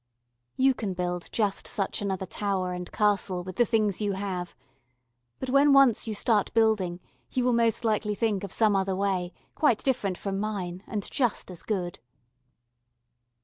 You can build just such another tower and castle with the things you have, but when once you start building you will most likely think of some other way, quite different from mine, and just as good.